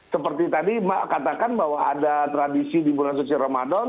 seperti tadi mbak katakan bahwa ada tradisi di bulan suci ramadan